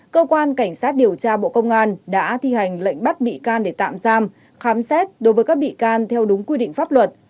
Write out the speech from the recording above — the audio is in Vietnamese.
cơ quan cảnh sát điều tra bộ công an đã thi hành lệnh bắt bị can để tạm giam khám xét đối với các bị can theo đúng quy định pháp luật